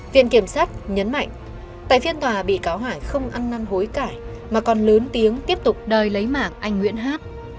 viện kiểm sát nhấn mạnh tại phiên tòa bị cáo hải không ăn năn hối cải mà còn lớn tiếng tiếp tục đòi lấy mảng anh nguyễn hát